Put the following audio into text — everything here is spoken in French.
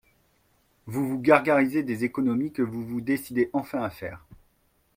Vous vous gargarisez des économies que vous vous décidez enfin à faire.